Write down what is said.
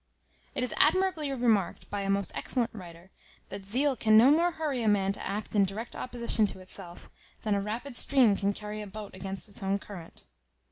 It is admirably remarked by a most excellent writer, that zeal can no more hurry a man to act in direct opposition to itself, than a rapid stream can carry a boat against its own current.